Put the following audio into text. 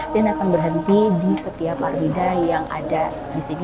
dan akan berhenti di setiap armida yang ada di sini